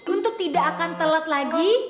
untuk tidak akan telat lagi